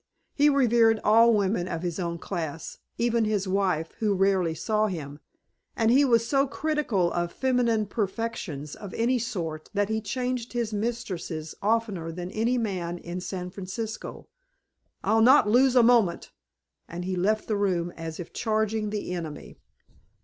He revered all women of his own class, even his wife, who rarely saw him; and he was so critical of feminine perfections of any sort that he changed his mistresses oftener than any man in San Francisco. "I'll not lose a moment." And he left the room as if charging the enemy.